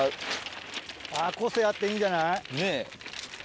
個性あっていいんじゃない？ねぇ。